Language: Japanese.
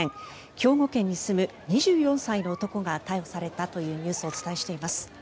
兵庫県に住む２４歳の男が逮捕されたというニュースをお伝えしています。